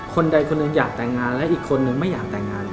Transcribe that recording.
คนใดคนหนึ่งอยากแต่งงานและอีกคนนึงไม่อยากแต่งงาน